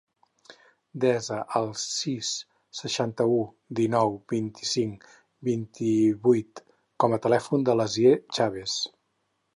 Desa el sis, seixanta-u, dinou, vint-i-cinc, vint-i-vuit com a telèfon de l'Asier Chaves.